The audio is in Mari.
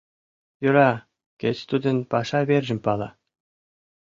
Йӧра, кеч тудын паша вержым пала.